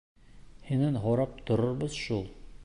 Һинән һорап торорбоҙ шул!